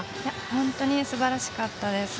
本当にすばらしかったです。